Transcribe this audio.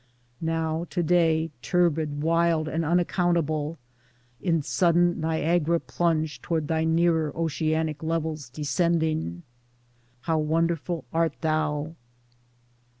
Now to day, turbid wild and unaccountable in sudden Niagara plunge toward thy nearer oceanic levels descending — How wonderful art thou